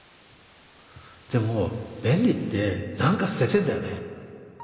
でも便利って何か捨ててんだよね。